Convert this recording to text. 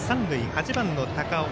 ８番の高尾。